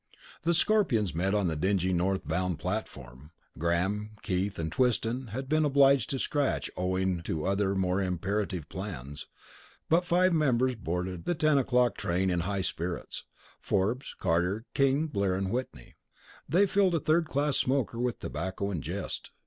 The Scorpions met on the dingy north bound platform. Graham, Keith, and Twiston had been obliged to scratch owing to other more imperative plans; but five members boarded the 10 o'clock train in high spirits. Forbes, Carter, King, Blair, and Whitney they filled a third class smoker with tobacco and jest.